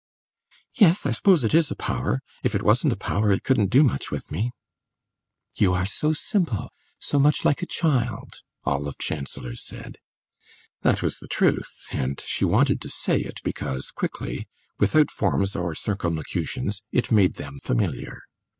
"Yes, I suppose it is a power. If it wasn't a power, it couldn't do much with me!" "You are so simple so much like a child," Olive Chancellor said. That was the truth, and she wanted to say it because, quickly, without forms or circumlocutions, it made them familiar.